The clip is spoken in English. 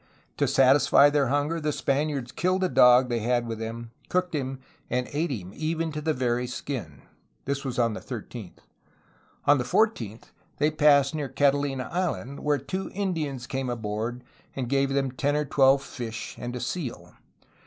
To satisfy their hunger the Spaniards killed a dog they had with them, cooked him, and ate him, even to the very skin. This was on the 13th. On the 14th they passed near Catalina Island, where two Indians came aboard and gave them ten or twelve fish and a seal.